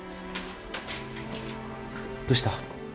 どうした？